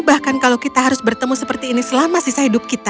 bahkan kalau kita harus bertemu seperti ini selama sisa hidup kita